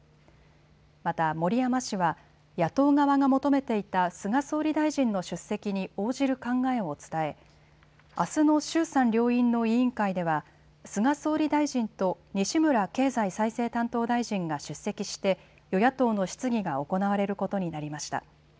また森山氏は野党側が求めていた菅総理大臣の出席に応じる考えを伝えあすの衆参両院の委員会では菅総理大臣と西村経済再生担当大臣が出席して与野党の質疑が行われることになりました。